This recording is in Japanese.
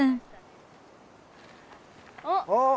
あっ！